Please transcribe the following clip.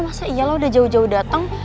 masa iya lo udah jauh jauh dateng